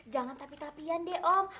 jangan tapi tapian deh om